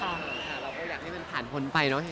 แล้วก็อยากให้มันผ่านพ้นไปเนอะใช่ไหม